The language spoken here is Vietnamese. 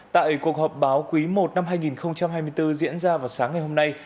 tại cuộc họp báo quý i năm hai nghìn hai mươi bốn diễn ra vào sáng ngày hôm nay